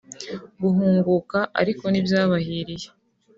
Guhunguka ariko ntibyabahiriye